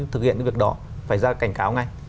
thực hiện cái việc đó phải ra cảnh cáo ngay